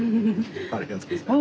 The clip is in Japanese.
ありがとうございます。